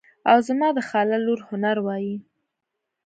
او زما د خاله لور هنر وایي.